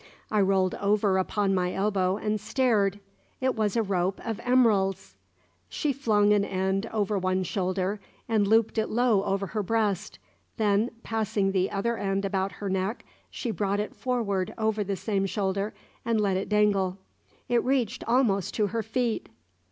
I rolled over upon my elbow and stared. It was a rope of emeralds. She flung an end over one shoulder and looped it low over her breast; then, passing the other end about her neck, she brought it forward over the same shoulder and let it dangle. It reached almost to her feet.